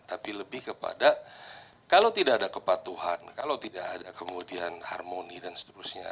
tapi lebih kepada kalau tidak ada kepatuhan kalau tidak ada kemudian harmoni dan seterusnya